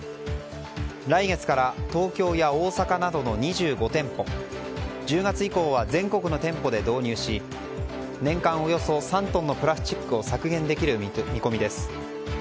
来月から東京や大阪などの２５店舗１０月以降は全国の店舗で導入し年間およそ３トンのプラスチックを削減できる見込みです。